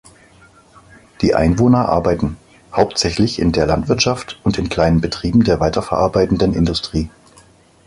Die Einwohner arbeiten hauptsächlich in der Landwirtschaft und in kleinen Betrieben der weiterverarbeiten Industrie.